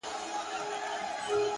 دقیق فکر د لویو خطاګانو مخه نیسي!